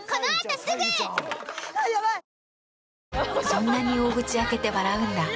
そんなに大口開けて笑うんだ。